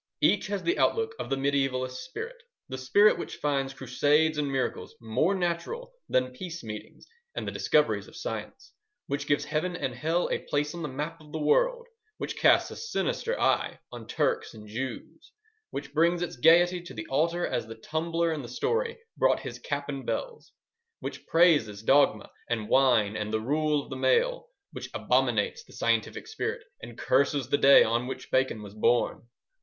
Each has the outlook of the mediaevalist spirit—the spirit which finds crusades and miracles more natural than peace meetings and the discoveries of science, which gives Heaven and Hell a place on the map of the world, which casts a sinister eye on Turks and Jews, which brings its gaiety to the altar as the tumbler in the story brought his cap and bells, which praises dogma and wine and the rule of the male, which abominates the scientific spirit, and curses the day on which Bacon was born.